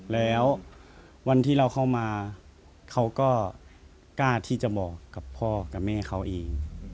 แล้ววันที่เราเข้ามาเขาก็กล้าที่จะบอกกับพ่อกับแม่เขาเอง